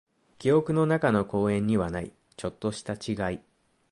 記憶の中の公園にはない、ちょっとした違い。